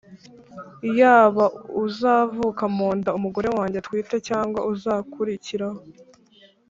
Yaba uzavuka mu nda umugore wange atwite cyangwa uzakurikiraho.